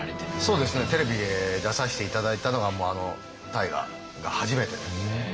そうですねテレビで出させて頂いたのがあの大河が初めてで。